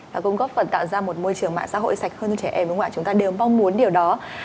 và cũng góp phần tạo ra một môi trường mạng xã hội sạch hơn cho trẻ em và ngoại chúng ta đều mong muốn điều đó